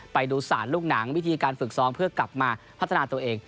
ไปดูสารลูกหนังวิธีการฝึกซ้อมเพื่อกลับมาพัฒนาตัวเอง